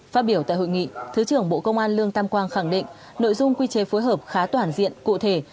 phát biểu tại hội nghị thứ trưởng bộ công an lương tam quang khẳng định nội dung quy chế phối hợp khá toàn diện cụ thể